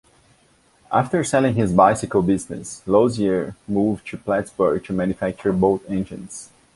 After selling his bicycle business, Lozier moved to Plattsburgh to manufacture boat engines.